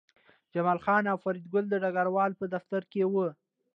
جمال خان او فریدګل د ډګروال په دفتر کې وو